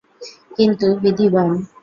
কিন্তু বিধি বাম!